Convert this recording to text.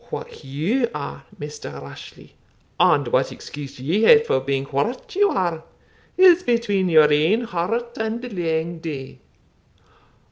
What you are, Maister Rashleigh, and what excuse ye hae for being what you are, is between your ain heart and the lang day.